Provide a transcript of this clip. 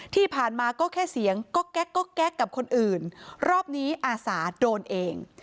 ที่ผ่านมาก็แค่เสียงก็แก๊กก็แก๊กกับคนอื่นรอบนี้อาสาโดนเอง